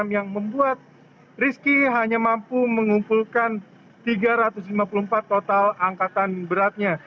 yang membuat rizky hanya mampu mengumpulkan tiga ratus lima puluh empat total angkatan beratnya